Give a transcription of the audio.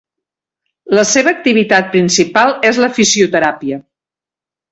La seva activitat principal és la fisioteràpia.